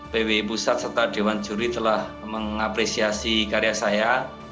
pwi pusat serta dewan juri telah mengapresiasi karya saya